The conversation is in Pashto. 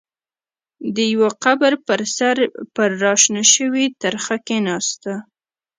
د يوه قبر پر سر پر را شنه شوې ترخه کېناسته.